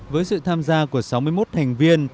với sự tham gia của sáu mươi một thành viên